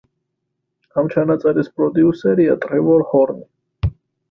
ამ ჩანაწერის პროდიუსერია ტრევორ ჰორნი.